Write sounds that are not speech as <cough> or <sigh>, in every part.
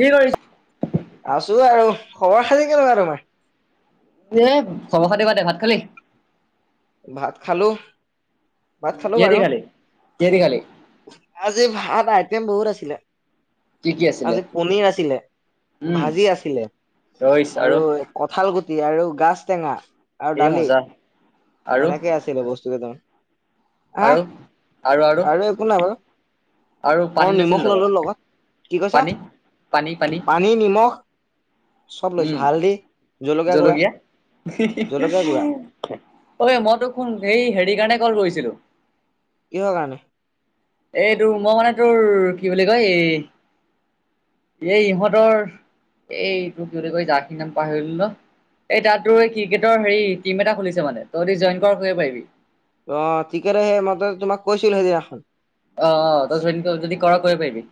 কি কৰিছ? আছো আৰু খবৰ খাতি কেনেকুৱা তোমাৰ? এ খবৰ খাতি বাদ দে। ভাত খালি? ভাত খালো ভাত খালো কিহেদি বাৰু। খালি? কিহেদি খালি? আজি ভাত আইটেম বহুত আছিলে। কি কি আছিলে? আজি পনিৰ আছিলে উম। ভাজি আছিলে আৰু কঁঠাল গুটি আৰু গাছ টেঙা। আৰু এই দালি মজা। আৰু এনেকে আছিলে বস্তু কেইটামান, আৰু আহ আৰু একো নাই বাৰু আৰু অঁ পানী নাছিল নিমখ ললো লগত। কি কৈছা? পানী পানী, নিমখ। চব লৈছো উম হালধি জলকীয়া গুড়া জলকীয়া গুড়া। ঐ মই তোক শুন সেই হেৰি কাৰণে কল কৰিছিলো। কিহৰ কাৰণে? এই তোৰ মই মানে তোৰ কি বুলি কয় এই এই ইহঁতৰ এই তোৰ কি বুলি কয় যাৰচি নাম পাহৰি গলো ন এই তাত তোৰ এই ক্ৰিকেটৰ হেৰি টিম এটা খুলিছে মানে তহঁতি দি জইন কৰ কৰিব পাৰিবি। অঁ ক্ৰিকেট সেই মই তোমাক কৈছিলো সেইদিনাখন। অ', অ', ত যদি কৰা কৰিব পাৰিবি',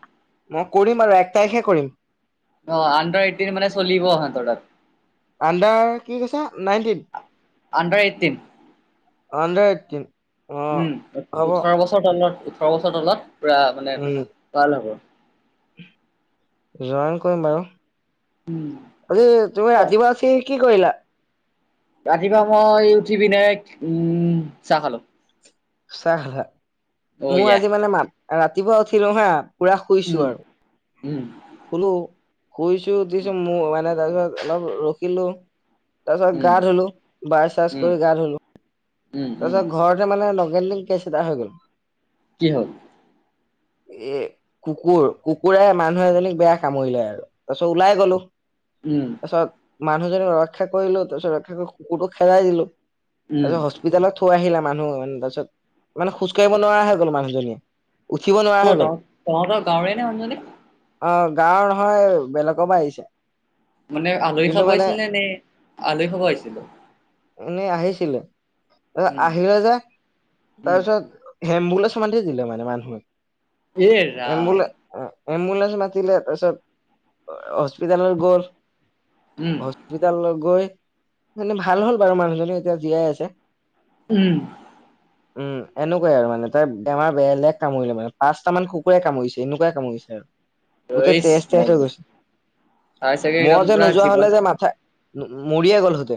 মই কৰিম আৰু এক তাৰিখে কৰিম অ', আণ্ডাৰ এইটিন মানে চলিব সিহঁতৰ তাত', আণ্ডাৰ কি কৈছোঁ nineteen? Under eighteen', under eighteen', অ উম', ওঠ, হ'ব ওঠৰ বছৰ তলত ওঠৰ বছৰ তলত পুৰা মানে উম, ভাল হ'ব', জইন কৰিম বাৰু', উম অই', তুমি আদিবাসী উঠি কি কৰিলা? ৰাতিপুৱা মই উঠি পিনে উম', চাহ খালোঁ', চাহ খালা, অ মোৰ ইয়া আজি মানে মা ৰাতিপুৱা উঠিলো হা পুৰা উম শুইছো আৰু', উম', শুলোঁ, শুইছো উঠিছোঁ মই মানে তাৰপিছত অলপ ৰখিলো', তাৰপিছত উম গা ধুলোঁ ব্ৰাচ চাৰছ উম কৰি গা ধুলোঁ', উম উম তাৰপিছত ঘৰতে মানে লগাই লিংক সিধা হৈ গ'ল। কি হ'ল? এ', কুকুৰ কুকুৰে মানুহ এজনীক বেয়া কামুৰিলে আৰু তাৰপিছত ওলাই গলোঁ', উম' তাৰপিছত মানুহজনীক ৰক্ষা কৰিলোঁ তাৰপিছত ৰক্ষা কৰি কুকুৰটোক খেদাই দিলোঁ উম তাৰপিছত হস্পিতালত হস্পিতালত থৈ আহিল মানুহ মানে তাৰপিছত মানে খোজকাঢ়িব নোৱাৰা হৈ গ'ল মানুহজনীয়ে', উঠিব নোৱাৰা ক'ত হৈ গ'ল বাৰু, তহঁতৰ গাঁওৰে নে মানুহজনী? অ', গাঁৱৰ নহয় বেলেগৰ পৰা আহিছে', মানে আলহী কিন্তু খাব মানে আহিছিলে নে, নে আলহী খাব আহিছিলো? এনেই আহিছিলে, তাৰ উম আহিলে যে উম তাৰপিছত এম্বুলেন্স মাতি দিলে মানে মানুহে, এ ৰাম এম্বুলে অ এম্বুলেন্স মাত মাতিলে তাছত অ হস্পিতালত গ'ল, উম হস্প স্পিতালত গৈ মানে ভাল হ'ল বাৰু মানুহজনী, এতিয়া জীয়াই আছে। উম। উম, এনেকুৱাই আৰু মানে তাক বেমাৰ বেলেগ কামুৰিলে মানে, পাঁচটা মান কুকুৰে কামুৰিছে এনেকুৱাই কামুৰিছে আৰ। গোটেই হাই তেজ তেজ হৈ গৈছে, ছেকেণ্ডাৰী মই একদম যে পুৰা নোযোৱা জীৱন হ'লে যে মাথা নো মৰিয়ে গ'ল সতে।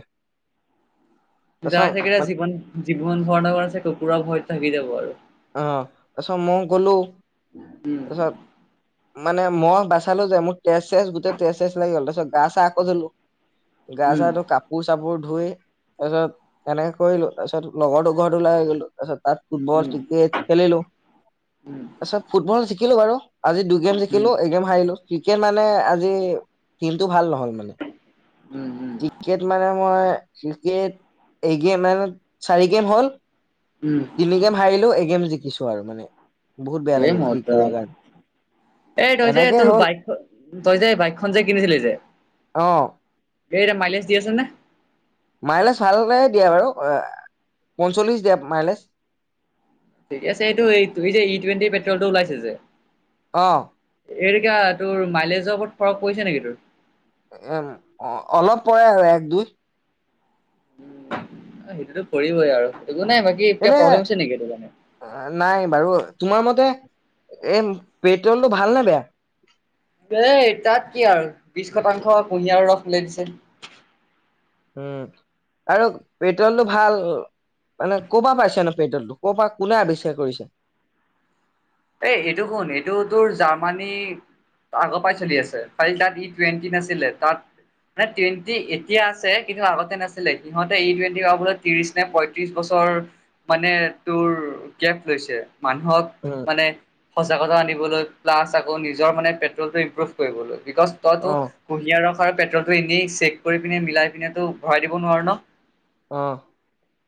জীয়াই থাকিলে জীৱন, জীৱন ভৰ <unintelligible> কুকুৰৰ ভয় থাকি যাব আৰু। অ তাছত মই গ'লো উম তাছত মানে মই বাচালো যে, মোৰ তেজ চেছ গোট তেজ চেছ লাগি গ'ল তাছত গা চা আকৌ ধুলো। গা চা উম ধুই কাপ পোৰ চাপোৰ ধুই তাৰপিছত এনেকে কৰিলো, তাছত লগৰটোৰ ঘৰত ওলাই আহি গলো তাছত তাত ফুটবল উম ক্ৰিকেট খেলিলো, উম তাৰপিছত ফুটবল জিকিলে বাৰু, আজি দু গেম উম জিকিলো এক গেম হাৰিলো, ক্ৰিকেট মানে আজি টিমটো ভাল নহ'ল মানে। উম উম ক্ৰিকেট মানে মই ক্ৰিকেট এক গেম মানে চাৰি গেম হ'ল উম। তিমি গেম হাৰিলো এক গেম জিকিছো আৰু মানে। বহুত বেয়া ধেৰ লাগিল মজা জিকিব কাৰ এই তই যে তোৰ বাইক, তই যে বাইকখন যে কিনিছিলি যে অ। এই এতিয়া মাইলেজ দি আছে নে? মাইলেছ ভালে দিয়া বাৰু অ পঞ্চল্লিশ দিয়া মাইলেজ। ঠিক আছে, এইটো এই তুমি যে ই টুৱণ্টি পেট্ৰলটো ওলাইছে যে। অ। এইকেইটা তোৰ মাইলেজৰ ওপৰত ফৰক পৰিছে নেকি তোৰ? এ এম অ অলপ পৰে আৰু এক, দুই। উ সেইটোতো পৰিবই আৰু একো নাই, বাকী এয়া প্ৰব্লেম আছে নেকি এইটো কাৰনে? আ নাই বাৰু, তোমাৰ মতে এ পেট্ৰলটো ভাল নে বেয়া? এ তাত কি আৰু বিশ শতাংশ কুঁহিয়াৰ ৰস ওলাই দিছে। উম আৰু পেট্ৰলটো ভাল। মানে কঁপা পাইছে নো পেট্ৰলতো, কঁপা কোনে আৱিষ্কাৰ কৰিছে? এই এইটো কোন এইটো তোৰ জাৰ্মানী আগৰ পাই চলি আছে কালি তাত ই টুৱেণ্টি আছিলে, তাত মানে টুৱেণ্টি এতিয়া আছে কিন্তু আগতে নাছিলে সিহঁতে ই টুৱেন্টি হোৱাৰ ফলত ত্ৰিছ নে প্ৰত্ৰিছ বছৰ মানে তোৰ গেফ লৈছে, মানুহক উম নে সঁচা নিবলৈ প্লাছ আক নিজৰ মানে প্ৰেটলটো ইনপ্ৰুভ কৰিবলৈ বিকছ তই তো অ কুঁহিয়া ৰখ আৰু পেট্ৰলটো এনেই চেক কৰি পিনে মিলাই পিনে তো ভৰাই দিব নোৱাৰো ন। অ।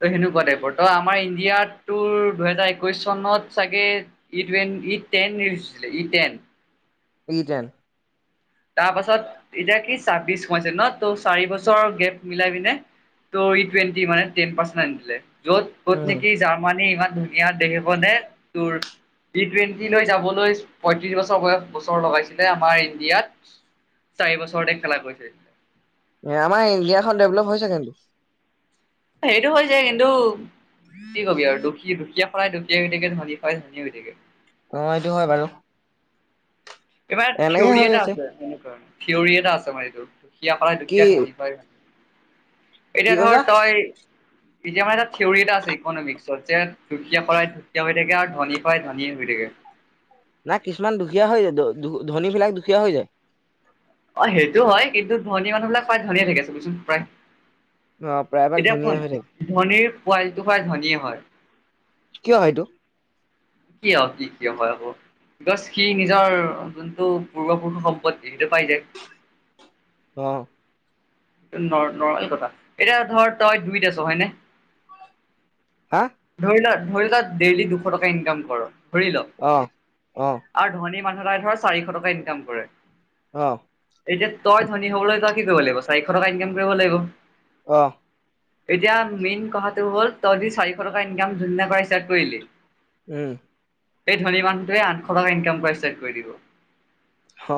ত সেনেকুৱা টাইপৰ ত আমাৰ ইণ্ডিয়াত তোৰ দুহেজাৰ একৈশ চনত চাগে ই টোৱেন ই টেন ৰিলিছ ই টেন। ই টেন। তা পাছত এতিয়া কি ছাব্বিশ সোমাইছে ন ত চাৰি বছৰ গেপ মিলাই পিনে ত ই টুৱেণ্টি মানে টেন পাৰ্চেন্ট আনি দিলে, য'ত য'ত নেকি উম জাৰ্মানী ইমান ধুনীয়া দেশ এখনে তোৰ টি টুৱেণ্টি লৈ যাবলৈ পয়ত্ৰিশ বছৰ বয় বছৰ লগাইছিলে আমাৰ ইণ্ডিয়াত। চাৰি বছৰতে খেলা কৈছে। আমাৰ ইণ্ডিয়া খন ডেভলপ হৈছে কিন্তু। সেইটো হৈছে কিন্তু কি কবি আৰু দুখী দুখীয়া খৰাই দুখীয়া হয় থাকে ধনি খাই ধনী হয় থাকে। অ এইটো হয় বাৰু। এইবাৰ এনেকে থিওৰি হৈ এটা আছে এনেকুৱা থিওৰি এটা আছে মানে এইটোৰ দুখীয়া পাই দুখীয়া কি ধনী পাই এতিয়া কি ধৰ কৈছা? তই এতিয়া মানে এটা থিঞৰি এটা আছে ইকনমিক্সত যে দুখীয়া কৰাই দুখীয়া হৈ থাকে আৰু ধনী পাই ধনী হৈ থাকে। না কিছুমান দুখীয়া হৈ যায় ধনী বিলাক দুখীয়া হৈ যায়। অ সেইটো হয় কিন্তু ধনী মানুহ বিলাক প্ৰায় ধনিয় হয় থাকে চাবিচোন প্ৰায়। অ প্ৰায়ভাগ এতিয়া শুন ধনীয়া হয় থাকে। ধনীৰ কোৱালিটোপা ধনীয়ে হয়। কিয় হয়টো? কিয় কি কিয় হয় আকৌ। বিকজ সি নিজৰ যোনটো পূৰ্বপুৰুষ সম্পত্তি সেইটো পাই যায়। অ নৰ্মেল কথা, এতিয়া ধৰ তই দুইত আছা হয়নে হা ধৰি ল ধৰিল ডেইলি দুশ টকা ইনকাম কৰ ধৰি ল অহ অ আৰু ধনী মানুহ বিলাকে ধৰ চাৰিশ টকা ইনকাম কৰে। অ এতিয়া তই ধনী হবলৈ তই কি কৰিব লাগিব চাৰিশ টকা ইনকাম কৰিব লাগিব অ এতিয়া মেইন কথাটো হল তই দি চাৰিশ টকা ইনকাম জোন দিনা পৰা ষ্টাৰ্ট কৰিলি উম এই ধনী মানটোৱে আঠশ টকা ইনকাম কৰা ষ্টাৰ্ট কৰি দিব। হ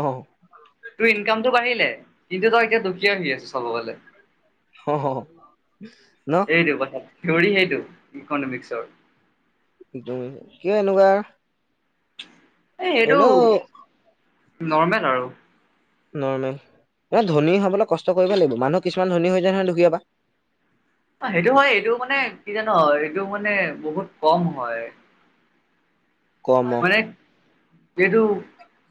তোৰ ইনকামতটো বাঢ়িলে কিন্তু তই এতিয়া দুখীয়া হৈ আছা চাব গলে। অহ ন সেইটো কথাত থিঞৰী সেইটো ইকনমিক্সৰ। <inaudible> কিয় এনেকুৱা এই এইটো এনেও নৰ্মৰ্মেল আৰু নৰ্মেল ন ধনী হবলৈ কষ্ট কৰিব লাগিব মানুহ কিছুমান ধনী হৈ যায় নহয় দুখীয়াবা অ সেইটো হয় এইটো মানে কি জানা এইটো মানে বহুত কম হয় কৰ্ম মানে এইটো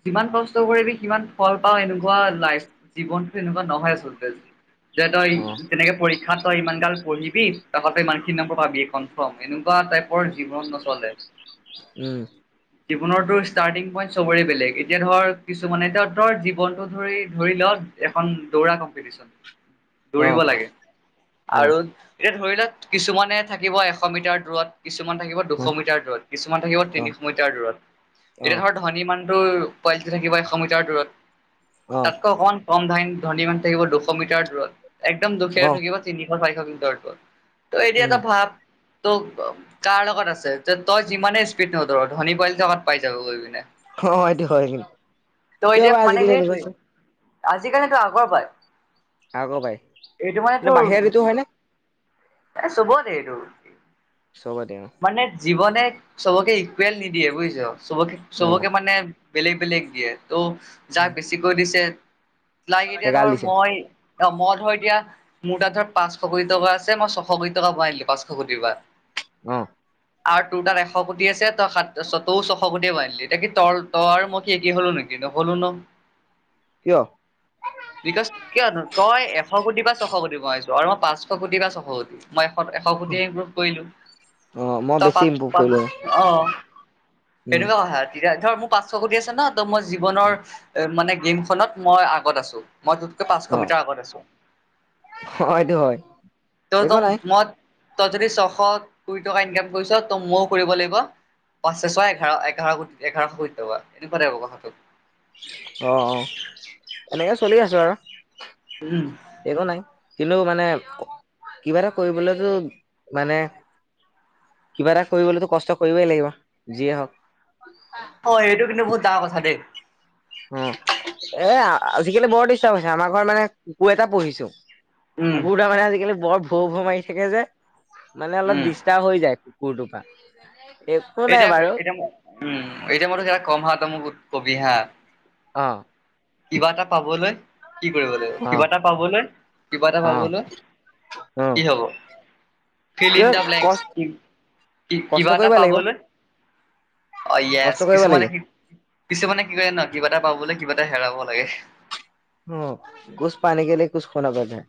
যিমান কষ্ট কৰিবি সিমান ফল পাওঁ এনেকুৱা লাইফ জীৱনটো এনেকুৱা নহয় আচলতে যে তই অ' তেনেকে পৰীক্ষাত তই ইমান গাল পঢ়িবি তঁহতেই ইমানখিনি নম্বৰ পাবি এইখন এনেকুৱা টাইপৰ জীৱন নচলে উম জীৱনৰতো ষ্টাৰ্টিং পইণ্ট চবৰে বেলেগ এতিয়া ধৰ কিছুমানে এতিয়া ধৰ জীৱনটো ধৰি ধৰি লও এখন দৌৰা কম্পিটিচন দৌৰিব অ' লাগে অ' আৰু এ ধৰি লৱ কিছুমানে থাকিব এশ মিটাৰ দূৰত কিছুমান থাকিব দুশ অ' মিটাৰ দূৰত কিছুমান থাকিব তিনিশ মিটাৰ দূৰত এতিয়া অ' ধৰক ধনী মানুহটোো পোৱালিকেইটা থাকিব এশ মিটাৰ দূৰত অ' তাতকৈ অকণ কম ধ ধনী মান থাকিব দুশ মিটাৰ দূৰত একদম অ' অ দুখীয়াটো থাকিব তিনিশ চাৰিশ মিটাৰ দূৰত ত এতিয়া উম তই ভাৱ তোৰ কাৰ লগত আছে যে তই যিমানে স্পীড হ। ধনী পোৱালিটো ক'ত পাই যাব গৈ পিনে। অ এটো হয় কিয় বা আজিকালি লগাইছ। আজিকালি তো আগৰ পাই কাকো পাই এইটো মানে নে তোৰ। বাহিৰা ঋতু হয় নে এ চোব দে এইটো। চুব দিম অ। মানে জীৱনে চবকে ইকুৱেল নিদিয়ে বুজিছ চবকে অ' চবকে মানে। বেলেগ বেলেগ দিয়ে ত যাক বেছিকৈ দিছে লাইক এতিয়া এগাল ধৰা দিছে। মই। এ মই ধৰ দিয়া। মোৰ তাতে পাঁচশ কোটি টকা আছে মই ছশ কোটি টকা বঢ়াই দিলো পাঁচশ কোটি পৰা। অঁ। আৰু তোৰ তাত এশ কোটি আছে। সাত তয়ো ছশ কোটি ভৰাইদিলি তাক কি ত তই আৰু মই কি একেই হ'লো নেকি নহ'লো ন? <inaudible> কিয়। <inaudible> <unintelligible> কিয় তই এশ কোটি বা ছশ কোটি ভৰাইছ আৰু মই পাঁচশ কোটি বা ছশ কোটি। মই এশ এশ কোটি ইনপোভ কৰিলো অ মই তই বেছি পাঁচ ইম্প্ৰুভ পাঁচ কৰিলো অ। উম সেইটোকে কথা তেতিয়া ধৰ মোৰ পাঁচশ কোটি আছে ন ত মই জীৱনৰ মানে গেমখনত। মই আগত আছোঁ। মই তোতকৈ পাঁচশ অ মিটৰ আগত আছো হয়টো হয় একো তেওঁতো নাই মই। তই যদি ছশ কুৰি টকা ইনকাম কৰিছ তই মই য়ো কৰিব লাগিব। পাঁচছে ছয় এঘাৰ এঘাৰ কোটি এঘাৰশ কোটি টকা এনেকুৱাাই টাইপৰ কথাটোত। অ অ এনেকে চলি আছোঁ আৰু। উম। একো নাই কিন্তু মানে কিবা এটা কৰিবলৈতো মানে। কিবা এটা কৰিবলেতো কষ্ট কৰিবই লাগিব যিয়েই হওঁক। <unintelligible> অ সেইটো কিন্তু বহুত ডাঙৰ কথা দেই। অ এ আজিকালি বৰ ডিষ্টাৰ্ব হৈছে আমাৰ ঘৰত মানে কুকুৰ এটা পোঢ়িছো। উম কুকুৰ তাৰ মানে আজিকালি বৰ ভ ভ মাৰি থাকে যে মানে অলপ উম দিচ। দিগদাৰ হৈ যায় কুকুৰটোৰ কাৰণে। এতিয়া এতিয়া ম উম এতিয়া মই টোক কম হা তই মোক কবি হা। অ। কিবা এটা পাবলৈ। কি কৰিব লাগিব অ কিবা এটা পাবলৈ কিবা এটা অ পাবলৈ। অ কি হ'ব? ফিল কি ইন দা কষ্ট ব্লেঙ্কচ্‌ কষ্ট কিবা এটা কৰিব লাগিব পাবলৈ। অঁ ইয়েচ কষ্ট কৰিব লাগিব কিছুমানে কি। কিছুমানে কি কয় জান? কিবা এটা পাবলে, কিবা এটা হেৰাব লাগে। অঁ, কুচ পানে কেলিয়ে, কুচ খোনা পৰ্টাহে।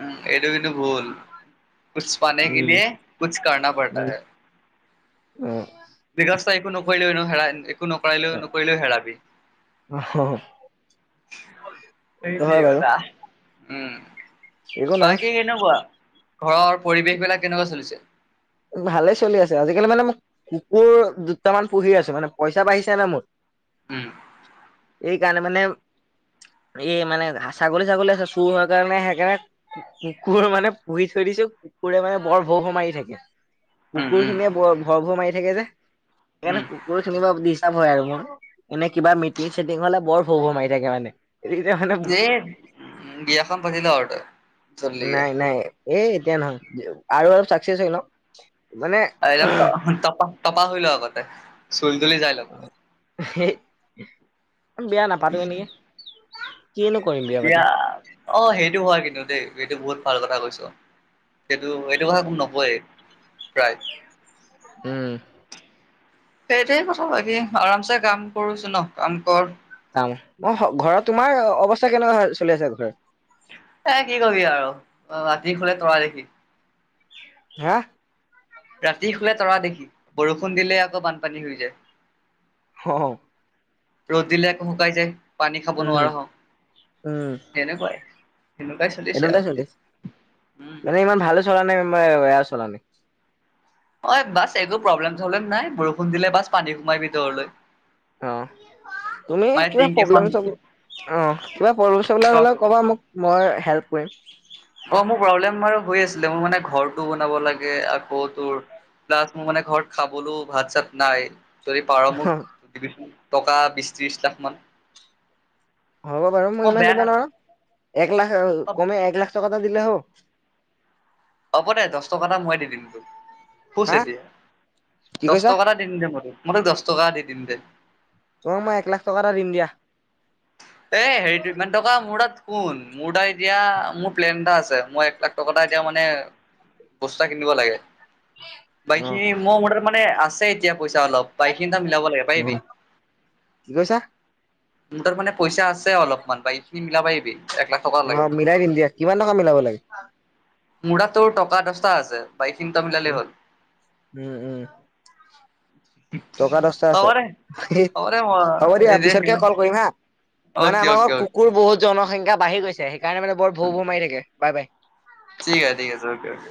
উম এইটো কিন্তু ভূল। কুচ পানে উম কেলিয়ে, কুচ কৰ্না পৰ্টাহে। উম। <unintelligible> একো নকৰিলেও এনো হেৰায়। নকৰালেও নকৰিলোঁ হেৰাবি। অ অ, সেইটো হয় সেইটোৱে বাৰু কথা। উম, একো নাই বাকি কেনেকুৱা? ঘৰৰ পৰিৱেশ বিলাক কেনেকুৱা চলিছে? ওম ভালেই চলি আছে। আজিকালি মানে, মোক কুকুৰ দুটামান পুঁহি আছোঁ মানে, পইচা বাঢ়িছে নাই মোৰ। ওম। এইকাৰণে মানে, এই মানে হাঁ ছাগলী- ছাগলী আছে। চুৰ হয় কাৰণে সেইকাৰণে কুকুৰ মানে পুঁহি থৈ দিছোঁ, কুকুৰে মানে বৰ ভৌ ভৌ মাৰি থাকে। উম কুকুৰ উম খিনিয়ে বৰ ভৰ ভৰ মাৰি থাকে যে, সেইকাৰণে উম কু কুৰ খিনি পৰা ডিষ্টাপ হয় আৰু মোৰ। এনে কিবা মিটিং- চিটিং হ'লে বৰ ভৌ ভৌ মাৰি থাকে মানে। এতিয়া মানে দেইৎ, ওম বিয়াখন পাতি ল' আৰু তই। জল্দিকে নাই -নাই এ এতিয়া নহয়, <unintelligible> আৰু অলপ চাক্সেচ হৈ লওঁ। মানে একদম ত' তপা তপা হৈ ল' আগতে। চুলি- তুলি যাই ল' হেঁই, বিয়া নাপাটোৱে নেকি? কিনো কৰিম পাতি বিয়া, অঁ সেইটো হয় কিন্তু দেই, এইটো বহুত ভাল কথা কৈছ। সেইটো এইটো কথা কোনো নকয়েই প্ৰায়। ওম। সেইটোৱে কথা পাতিম, আৰামছে কাম কৰোছোন ন'? কাম কৰ কাম। অঁহ্‌ ঘৰত তোমাৰ অৱস্থা কেনেকুৱা চলি আছে? <unintelligible> হে কি কবি আৰু অ ৰাতি হ'লে তৰা দেখি। হাঁ। ৰাতি হ'লে তৰা দেখি, বৰষুণ দিলে আকৌ বানপানী হৈ যায়। হঁহ্‌ হঁহ্‌। ৰ'দ দিলে আকৌ শুকাই যায়। পানী খাব উম নোৱাৰা হও, উম তেনেকুৱাই, -তেনেকুৱাই চলিছে এনেকুৱাই চলি আছে আউ। মানে ইমান ভালো চলা নাই, ইমা বেয়াও চলা নাই। অঁ এ বাচ্‌ একো প্ৰব্লেম- চব্লেম নাই, বৰষুণ দিলে বাচ্‌ পানী সোমাই ভিতৰলৈ। অঁ তুমি মানে কিবা টিংকিখন প্ৰব্লেম -চব্লেম -অঁ, কিবা প্ৰব্লেম-চব্লেম হ'লে ক'বা মোক। মই হেল্প কৰিম। অঁ মোৰ প্ৰব্লেম বাৰু হৈ আছিলে, মোৰ মানে ঘৰটো বনাব লাগে আকৌ তোৰ প্লাছ মোৰ মানে ঘৰত খাবলও ভাত- চাত নাই। যদি পাৰ মোক দিবি চোন টকা বিশ - ত্ৰিশ লাখ মান। হ'ব বাৰু, মই ইমান বেয়া দিব নোৱাৰো, না এক লাখ এও কমে এক লাখ টকা এটা দিলে হ'ব? হ'ব দে দশ টকা টা মই দি দিম তোক, খোচ হা এতিয়া, কি দশ কৈছা টকা টা <unintelligible> মই তোক দশ টকা দি দিম দে। তোমাক মই একলাখ টকা এটা দিম দিয়া। এ হেৰিটো ইমান টকা মোৰ তাত শুন, মোৰ তাত এতিয়া মোৰ প্লেন এটা আছে, মই একলাখ <unintelligible> এটাক এতিয়া মানে বস্তু এটা কিনিব লাগে। অ বাকীখিনি মোৰ মতে মানে, আছে এতিয়া পইচা অলপ, বাকীখিনি তই মিলাব লাগে অ পাৰিবি? কি কৈছা? মোৰ তাত মানে পইচা আছে অলপমান, বাকীখিনি মিলাব পাৰিবি? এক লাখ টকা লাগে অঁ, মোক মিলাই দিম দিয়া, কিমান টকা মিলাব লাগে? মোৰ তাত তোৰ টকা দশটা আছে, বাকীখিনি তই মিলালে হ'ল। উম উম টকা দহটা আছে হ'ব দে, হ'ব দে হ'ব দিয়া পিছতকে মই। <unintelligible> কল কৰিম হা মানে অ'কে আমাৰ অ'কে ঘৰত অ'কে কুকুৰ বহুত জনসংখ্যা বাঢ়ি গৈছে, সেইকাৰণে মানে বৰ ভৌ ভৌ মাৰি থাকে। Bye bye. ঠিক আছে, ঠিক আছে অকে অকে।